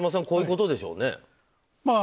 こういうことでしょうね。